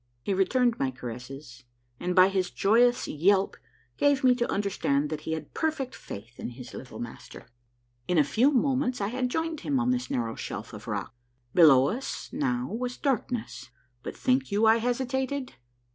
He returned my caresses, and by his joyous yelp gave me to understand that he had perfect faith in his little master. In a few moments I had joined him on this narrow shelf of rock. Below us now was darkness, but think you I hesitated